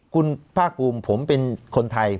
คุณภาคภูมิผมเป็นคนไทย